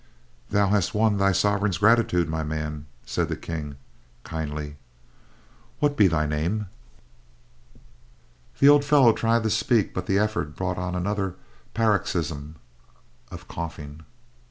"Thou hast won thy sovereign's gratitude, my man," said the King, kindly. "What be thy name?" The old fellow tried to speak, but the effort brought on another paroxysm of coughing.